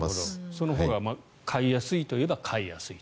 そのほうが買いやすいといえば買いやすいと。